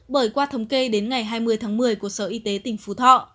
bởi qua thống kê đến ngày hai mươi tháng một mươi của sở y tế tỉnh phú thọ